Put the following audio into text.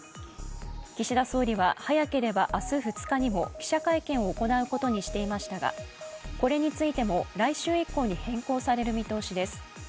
岸田総理は、早ければ明日２日にも記者会見を行うことにしていましたがこれについても来週以降に変更される見通しです。